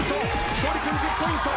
勝利君１０ポイント。